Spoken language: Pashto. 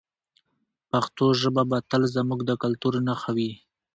پښتو ژبه به تل زموږ د کلتور نښه وي.